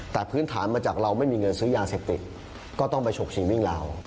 แต่พื้นฐานมาจากเราไม่มีเงินซื้อยาเสพติดก็ต้องไปฉกชิงวิ่งเรา